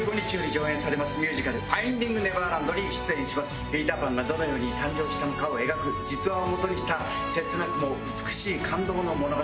ニトリピーターパンがどのように誕生したのかを描く実話を基にした切なくも美しい感動の物語。